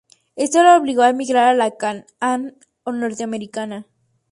Esto le obligó a emigrar a la Can-Am norteamericana.